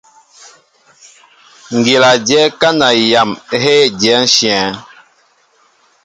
Ŋgíla dyɛ kana yam heé diɛnshɛŋ.